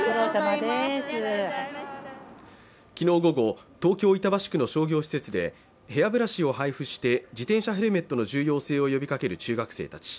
昨日午後、東京・板橋区の商業施設でヘアブラシを配布して自転車ヘルメットの重要性を呼びかける中学生たち。